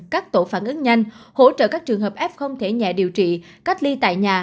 các tổ phản ứng nhanh hỗ trợ các trường hợp f không thể nhẹ điều trị cách ly tại nhà